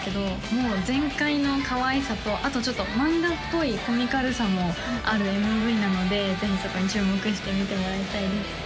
もう全開のかわいさとあとちょっと漫画っぽいコミカルさもあるＭＶなのでぜひそこに注目して見てもらいたいです